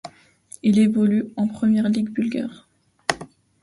Il évolue en Première Ligue Bulgare.